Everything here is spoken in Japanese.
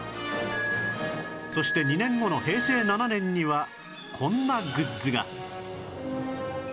そして２年後の平成７年にはこんなグッズが